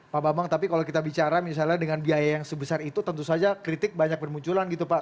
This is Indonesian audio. pak bambang tapi kalau kita bicara misalnya dengan biaya yang sebesar itu tentu saja kritik banyak bermunculan gitu pak